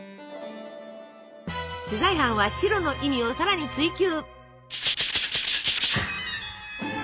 取材班は白の意味を更に追求！